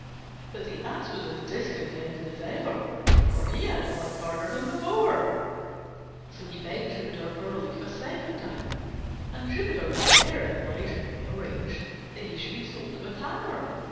But the Ass was as discontented as ever, for he had to work harder than before: so he begged Jupiter for relief a second time, and Jupiter very obligingly arranged that he should be sold to a Tanner.